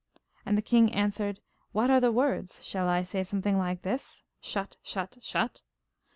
And the king answered: 'What are the words? Shall I say something like this: "Shut; shut; shut"?